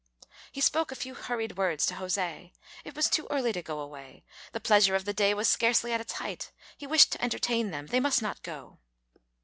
He spoke a few hurried words to José. It was too early to go away; the pleasure of the day was scarcely at its height; he wished to entertain them; they must not go.